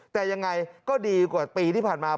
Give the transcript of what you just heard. แต่ยังไงก็ดีกว่าปีที่ผ่านมา